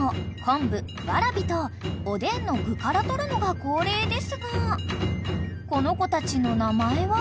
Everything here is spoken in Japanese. ［おでんの具から取るのが恒例ですがこの子たちの名前は？］